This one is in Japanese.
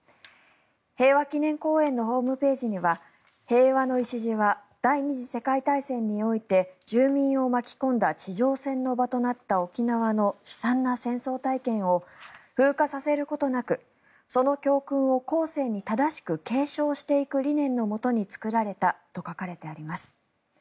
平和祈念公園のホームページには平和の礎は第２次世界大戦において住民を巻き込んだ地上戦の場となった沖縄の悲惨な戦争体験を風化させることなくその教訓を後世に正しく継承していく理念のもとに作られたと書かれてあります。